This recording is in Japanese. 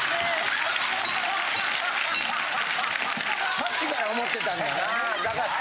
さっきから思ってたんだな。